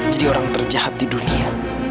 jadi orang terjahat di dunia